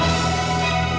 aduh aku ingin posisi